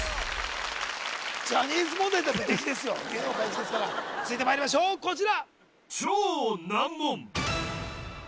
ジャニーズ問題なら無敵ですよ芸能界一ですから続いてまいりましょうこちら